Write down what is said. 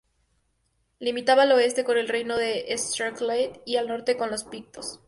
Limitaba al oeste con el Reino de Strathclyde y al norte con los pictos.